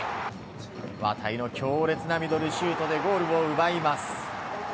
渡井の強烈なミドルシュートでゴールを奪います。